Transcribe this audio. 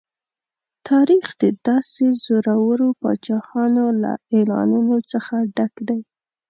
تاریخ د داسې زورورو پاچاهانو له اعلانونو څخه ډک دی.